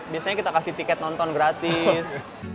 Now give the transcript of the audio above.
biasanya kita kasih tiket nonton gratis